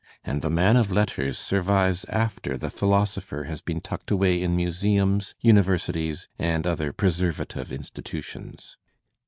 And the man of letters survives after the . philosopher has been tucked away in museums, universities = and other preservative institutions.